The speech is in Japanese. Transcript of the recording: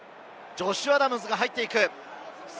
ジョシュ・アダムズが入っていく。